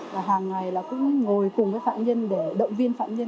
và hàng ngày là cũng ngồi cùng với phạm nhân để động viên phạm nhân